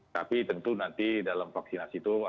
tapi tentu nanti dalam vaksinasi itu